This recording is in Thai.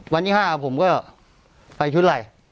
วันที่๕ผมก็ไปชุดอะไร